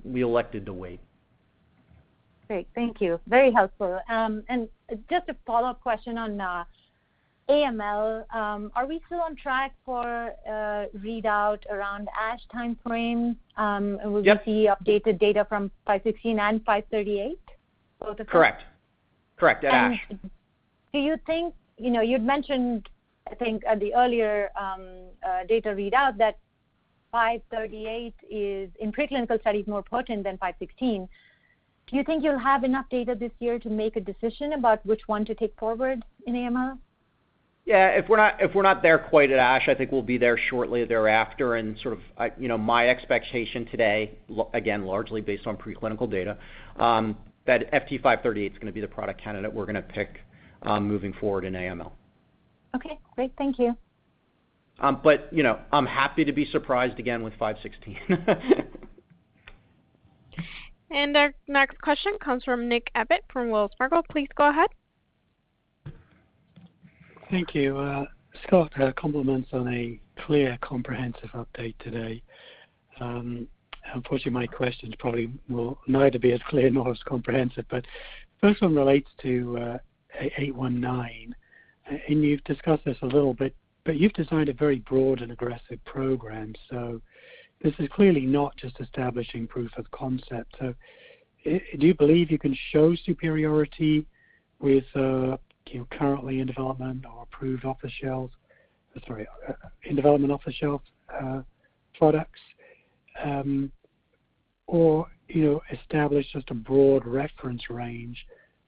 we elected to wait. Great. Thank you. Very helpful. Just a follow-up question on AML. Are we still on track for readout around ASH timeframe? Yep. Will we see updated data from FT516 and FT538, both of them? Correct. At ASH. Do you think, you'd mentioned, I think at the earlier data readout that FT538 is, in preclinical studies, more potent than FT516. Do you think you'll have enough data this year to make a decision about which one to take forward in AML? Yeah. If we're not there quite at ASH, I think we'll be there shortly thereafter. My expectation today, again, largely based on preclinical data, that FT538's going to be the product candidate we're going to pick moving forward in AML. Okay, great. Thank you. I'm happy to be surprised again with 516. Our next question comes from Nick Abbott from Wells Fargo. Please go ahead. Thank you. Scott, compliments on a clear, comprehensive update today. Unfortunately, my questions probably will neither be as clear nor as comprehensive, First one relates to FT819. You've discussed this a little bit, You've designed a very broad and aggressive program. This is clearly not just establishing proof of concept. Do you believe you can show superiority with currently in development in development off-the-shelf products, or establish just a broad reference range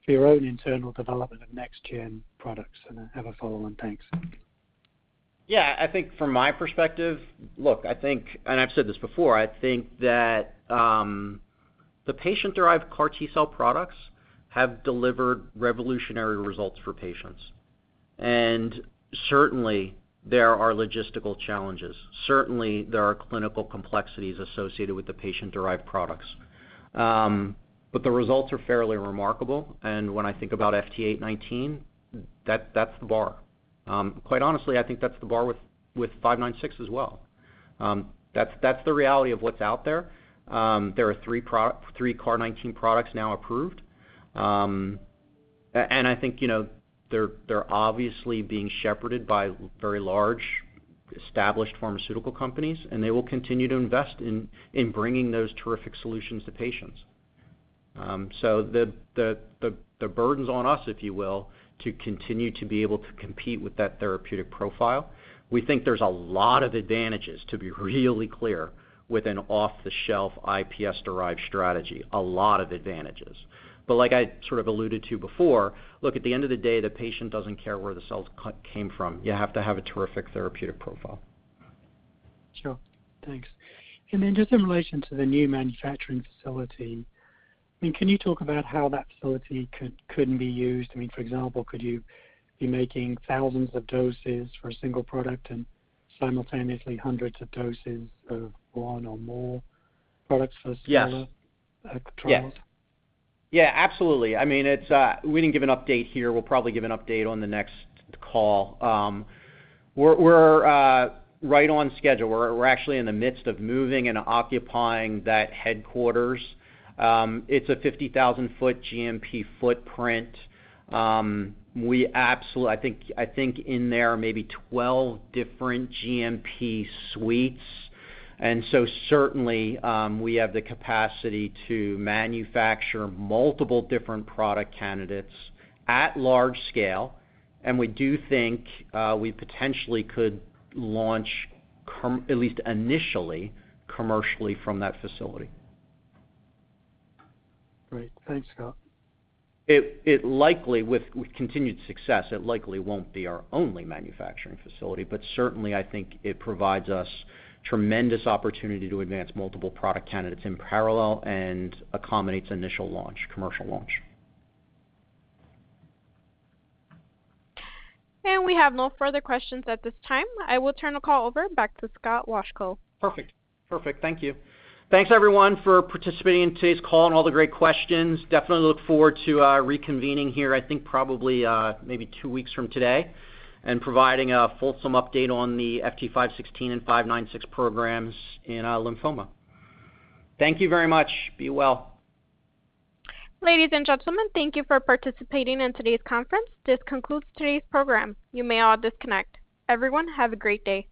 for your own internal development of next-gen products? I have a follow-on. Thanks. Yeah, I think from my perspective, look, I think, and I've said this before, I think that the patient-derived CAR T-cell products have delivered revolutionary results for patients. Certainly, there are logistical challenges. Certainly, there are clinical complexities associated with the patient-derived products. The results are fairly remarkable, and when I think about FT819, that's the bar. Quite honestly, I think that's the bar with FT596 as well. That's the reality of what's out there. There are three CAR 19 products now approved. I think they're obviously being shepherded by very large, established pharmaceutical companies, and they will continue to invest in bringing those terrific solutions to patients. The burden's on us, if you will, to continue to be able to compete with that therapeutic profile. We think there's a lot of advantages, to be really clear, with an off-the-shelf iPSC-derived strategy, a lot of advantages. Like I sort of alluded to before, look, at the end of the day, the patient doesn't care where the cells came from. You have to have a terrific therapeutic profile. Sure. Thanks. Just in relation to the new manufacturing facility, can you talk about how that facility could be used? For example, could you be making thousands of doses for a single product and simultaneously hundreds of doses of one or more products for similar trials? Yes. Absolutely. We didn't give an update here. We'll probably give an update on the next call. We're right on schedule. We're actually in the midst of moving and occupying that headquarters. It's a 50,000-foot GMP footprint. I think in there, maybe 12 different GMP suites. Certainly, we have the capacity to manufacture multiple different product candidates at large scale, and we do think we potentially could launch, at least initially, commercially from that facility. Great. Thanks, Scott. With continued success, it likely won't be our only manufacturing facility, but certainly, I think it provides us tremendous opportunity to advance multiple product candidates in parallel and accommodates initial launch, commercial launch. We have no further questions at this time. I will turn the call over back to Scott Wolchko. Perfect. Thank you. Thanks, everyone, for participating in today's call and all the great questions. Definitely look forward to reconvening here, I think probably maybe two weeks from today, and providing a fulsome update on the FT516 and 596 programs in lymphoma. Thank you very much. Be well. Ladies and gentlemen, thank you for participating in today's conference. This concludes today's program. You may all disconnect. Everyone, have a great day.